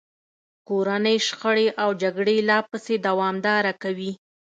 کورنۍ شخړې او جګړې لا پسې دوامداره کوي.